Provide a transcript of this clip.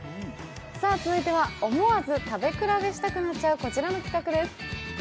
続いては思わず食べ比べしたくなっちゃうこちらの企画です。